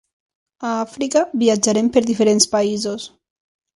A Àfrica, viatjarem per diferents països.